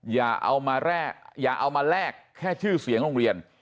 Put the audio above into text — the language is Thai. อย่าเอามาแลกแค่ชื่อเสียงโรงเรียน